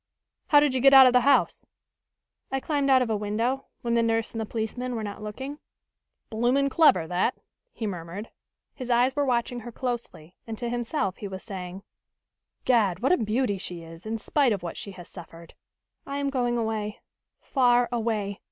"How did you get out of the house?" "I climbed out of a window, when the nurse and the policeman were not looking." "Bloomin' clever, that," he murmured. His eyes were watching her closely, and to himself he was saying: "Gad, what a beauty she is, in spite of what she has suffered!" "I am going away far away!"